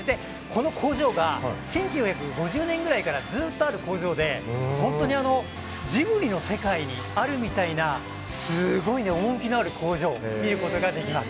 この工場が１９５０年ぐらいからずっとある工場で、本当にジブリの世界にあるみたいなすごい趣のある工場です。